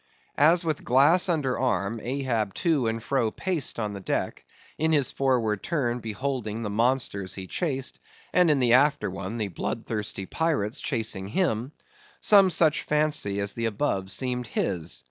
As with glass under arm, Ahab to and fro paced the deck; in his forward turn beholding the monsters he chased, and in the after one the bloodthirsty pirates chasing him; some such fancy as the above seemed his.